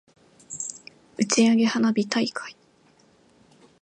打ち上げ花火大会